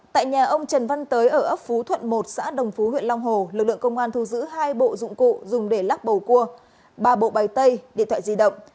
tại nhà ông trần văn tới ở ấp phú thuận một xã đồng phú huyện long hồ lực lượng công an thu giữ hai bộ dụng cụ dùng để lắc bầu cua ba bộ bày tay điện thoại di động